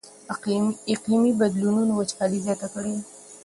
اقلیمي بدلونونو وچکالي زیاته کړې ده.